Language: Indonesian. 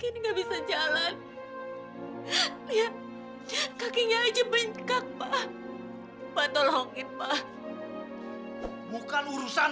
di mana dia sekarang